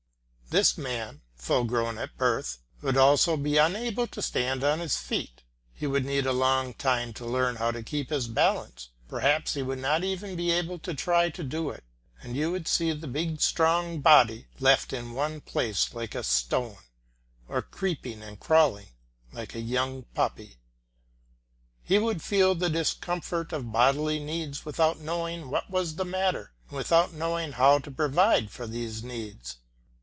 This man, full grown at birth, would also be unable to stand on his feet, he would need a long time to learn how to keep his balance; perhaps he would not even be able to try to do it, and you would see the big strong body left in one place like a stone, or creeping and crawling like a young puppy. He would feel the discomfort of bodily needs without knowing what was the matter and without knowing how to provide for these needs.